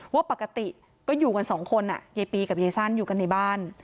ว่าปกติก็อยู่กันสองคนยายปีกับยายสั้นอยู่กันในบ้าน